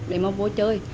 để mà vô chơi